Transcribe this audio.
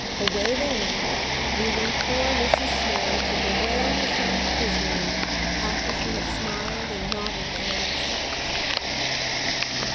Away they went, leaving poor Mrs. Snow to bewail herself dismally after she had smiled and nodded them out of sight.